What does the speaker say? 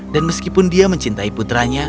dan meskipun dia mencintai putranya